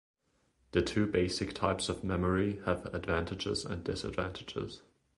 The two basic types of memory have advantages and disadvantages.